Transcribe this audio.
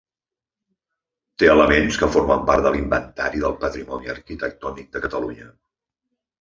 Té elements que formen part de l'Inventari del Patrimoni Arquitectònic de Catalunya.